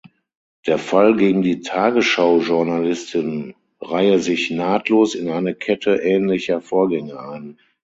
Der Fall gegen die Tagesschau-Journalisten reihe sich "nahtlos" in eine Kette ähnlicher Vorgänge ein.